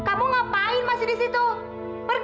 hai kamu ngapain masih di situ pergi